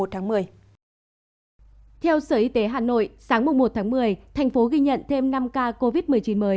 theo sở y tế hà nội sáng một tháng một mươi thành phố ghi nhận thêm năm ca covid một mươi chín mới